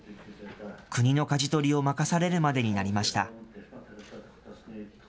国のかじ取りを任されるまでになりました。